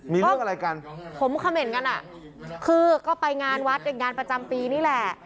มีเรื่องอะไรกันผมเขม่นกันอ่ะคือก็ไปงานวัดงานประจำปีนี่แหละ